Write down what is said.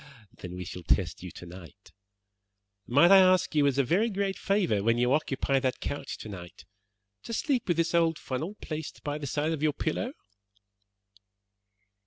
"Then we shall test you tonight. Might I ask you as a very great favour, when you occupy that couch tonight, to sleep with this old funnel placed by the side of your pillow?"